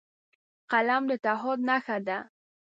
قلم د تعهد نښه ده